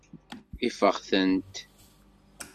Ifeɣ-tent.